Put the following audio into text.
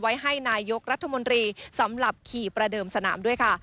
ไว้ให้นายกรัฐมนตรีสำหรับขี่ประเดิมสนามด้วยค่ะ